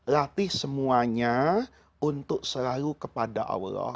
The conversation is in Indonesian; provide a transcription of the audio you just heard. latih semuanya untuk selalu kepada allah